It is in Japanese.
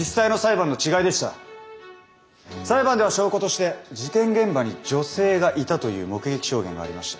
裁判では証拠として事件現場に女性がいたという目撃証言がありました。